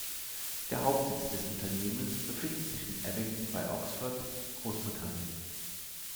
Der Hauptsitz des Unternehmens befindet sich in Abingdon bei Oxford, Großbritannien.